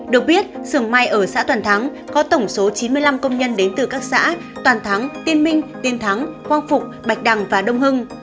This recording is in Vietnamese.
được biết sưởng may ở xã toàn thắng có tổng số chín mươi năm công nhân đến từ các xã toàn thắng tiên minh tiên thắng quang phụng bạch đằng và đông hưng